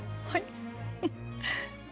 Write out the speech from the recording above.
はい。